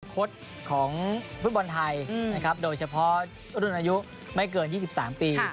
คดของฟุตบอลไทยนะครับโดยเฉพาะรุ่นอายุไม่เกิน๒๓ปี